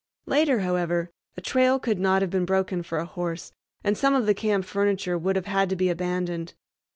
Later, however, a trail could not have been broken for a horse, and some of the camp furniture would have had to be abandoned.